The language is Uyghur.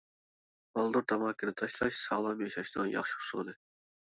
بالدۇر تاماكىنى تاشلاش، ساغلام ياشاشنىڭ ياخشى ئۇسۇلى.